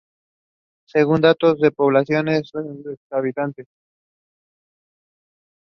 Según datos de su población es de habitantes.